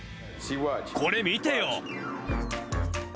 これ見てよ。